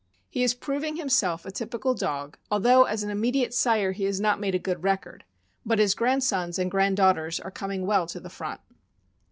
He is proving himself a typical dog, although as an immediate sire he has not made a good record; but his grandsons and granddaughters are coming well to the front.